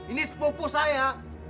ini sepupu saya